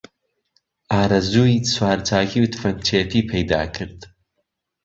ئارەزووی سوارچاکی و تفەنگچێتی پەیدا کرد